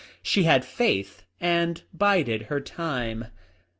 She had faith, and bided her time.